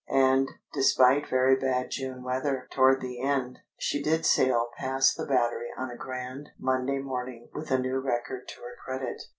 And, despite very bad June weather toward the end, she did sail past the Battery on a grand Monday morning with a new record to her credit.